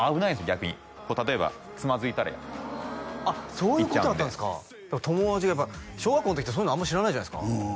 逆にこう例えばつまずいたらいっちゃうんであっそういうことだったんですか友達がやっぱ小学校の時ってそういうのあんまり知らないじゃないですか